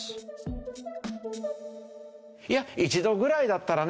１度ぐらいだったらね